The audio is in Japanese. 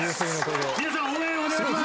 皆さん応援をお願いします